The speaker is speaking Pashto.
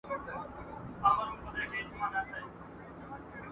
چې تودوخه د لاسو ډوبه ویده شي